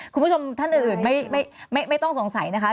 คุณผู้ชมท่านอื่นไม่ต้องสงสัยนะคะ